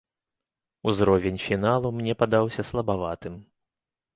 Узровень фіналу мне падаўся слабаватым.